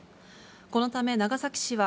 このため長崎市は、